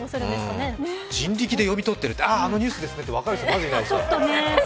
人力で読み取ってる、あああのニュースですねって分かる人いない。